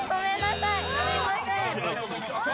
すいません。